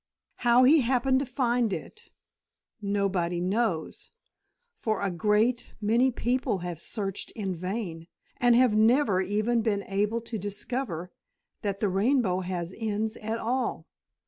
How he happened to find it, nobody knows, for a great many people have searched in vain, and have never even been able to discover that the rainbow has any ends at all.